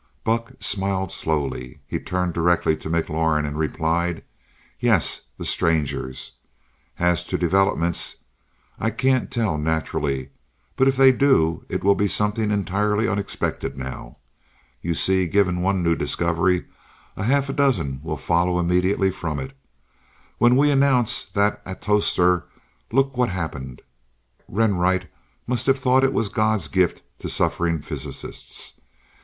Buck smiled slowly. He turned directly to McLaurin and replied: "Yes the Strangers. As to developments I can't tell, naturally. But if they do, it will be something entirely unexpected now. You see, given one new discovery, a half dozen will follow immediately from it. When we announced that atostor, look what happened. Renwright must have thought it was God's gift to suffering physicists.